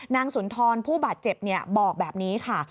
สุนทรผู้บาดเจ็บบอกแบบนี้ค่ะ